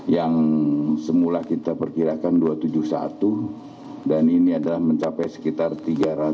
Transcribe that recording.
yang semula kita perkirakan dua ratus tujuh puluh satu dan ini adalah mencapai sekitar tiga ratus